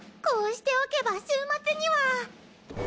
こうしておけば週末には。